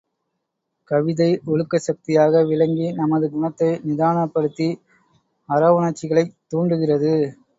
கவிதை, ஒழுக்கச் சக்தியாக விளங்கி, நமது குணத்தை நிதானப்படுத்தி, அறவுணர்ச்சிகளைத் தூண்டுகிறது.